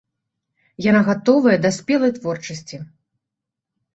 Яна гатовая да спелай творчасці.